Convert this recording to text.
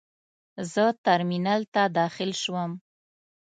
زه ترمینل ته داخل شوم.